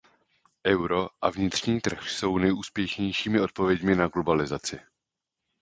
Euro a vnitřní trh jsou nejúspěšnějšími odpověďmi na globalizaci.